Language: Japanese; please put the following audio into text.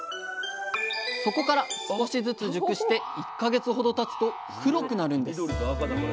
そこから少しずつ熟して１か月ほどたつと黒くなるんです。